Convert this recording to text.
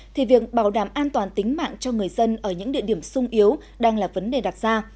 thì việc bảo đảm an toàn tính mạng cho người dân ở những địa điểm sung yếu đang là vấn đề đặt ra